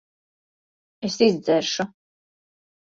Es izdzeršu.